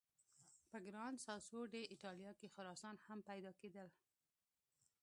په ګران ساسو ډي ایټالیا کې خرسان هم پیدا کېدل.